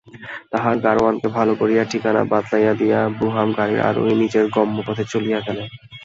তাহার গাড়োয়ানকে ভালো করিয়া ঠিকানা বাতলাইয়া দিয়া ব্রুহাম গাড়ির আরোহী নিজের গম্যপথে চলিয়া গেলেন।